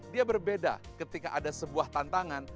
dia berbeda ketika ada sebuah tantangan